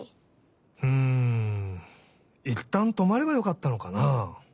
うんいったんとまればよかったのかな。